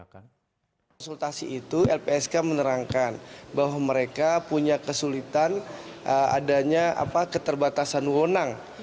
konsultasi itu lpsk menerangkan bahwa mereka punya kesulitan adanya keterbatasan wonang